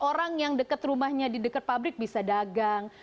orang yang dekat rumahnya di dekat pabrik bisa dagang